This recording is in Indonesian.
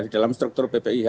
dalam struktur ppih